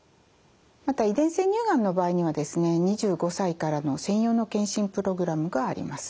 また遺伝性乳がんの場合にはですね２５歳からの専用の検診プログラムがあります。